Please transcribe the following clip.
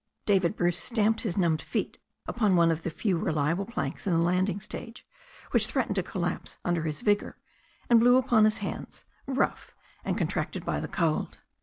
David Bruce stamped his numbed feet upon one of the few reliable planks in the landing stage, which threatened to collapse under his vigour, and blew upon his hands, rough and contracted by the cold.